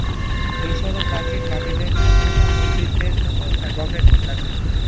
মিসর ও প্রাচীন বাবিলের সভ্যতা পণ্ডিতদের মতে সর্বাপেক্ষা প্রাচীন।